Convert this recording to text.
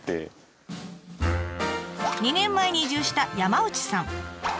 ２年前に移住した山内さん。